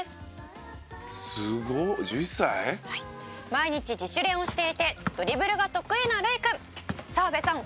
「毎日自主練をしていてドリブルが得意な琉偉君」「澤部さん